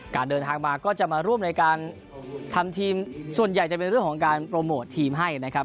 เดินทางมาก็จะมาร่วมในการทำทีมส่วนใหญ่จะเป็นเรื่องของการโปรโมททีมให้นะครับ